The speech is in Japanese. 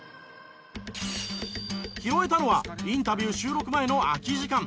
拾えたのはインタビュー収録前の空き時間。